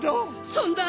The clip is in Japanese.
そんな。